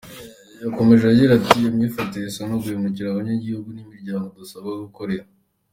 Yakomeje agira ati "Iyo myifatire isa n’uguhemukira abanyagihugu n’imiryango dusabwa gukorera.